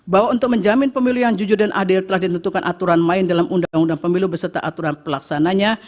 bahwa untuk menjamin pemilu yang jujur dan adil telah ditentukan aturan main dalam uud berserta aturan pelaksananya